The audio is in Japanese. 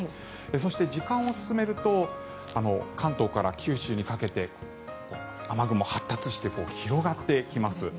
そして、時間を進めると関東から九州にかけて雨雲、発達して広がってきます。